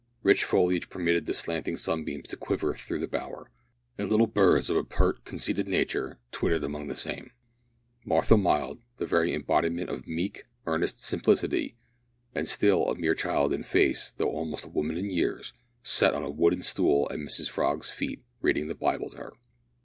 Rich foliage permitted the slanting sunbeams to quiver through the bower, and little birds, of a pert conceited nature, twittered among the same. Martha Mild the very embodiment of meek, earnest simplicity, and still a mere child in face though almost a woman in years sat on a wooden stool at Mrs Frog's feet reading the Bible to her.